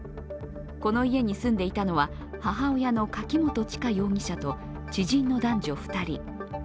この家に住んでいたのは、母親の柿本知香容疑者と知人の男女２人。